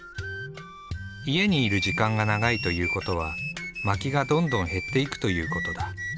家にいる時間が長いということは薪がどんどん減っていくということだ。